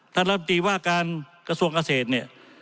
รับตีว่าการกระทรวงเกษตรเนี่ย